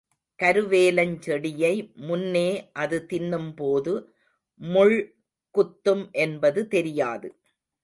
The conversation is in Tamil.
கருவேலஞ் செடியை முன்னே அது தின்னும்போது, முள் குத்தும் என்பது தெரியாது.